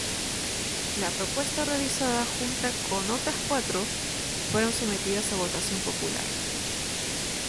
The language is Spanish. La propuesta realizada, junta con otras cuatro fueron sometidas a votación popular.